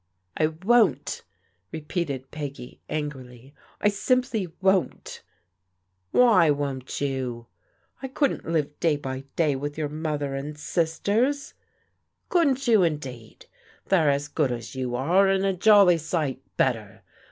"I won't!" repeated Peggy angrily. "I simply won't !" "Why won't you?" *' I couldn't live day by day with your mother and sisters." " Couldn't you, indeed ! They're as good as you are, and a jolly sight better.